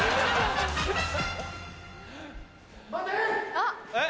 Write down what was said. ・あっ！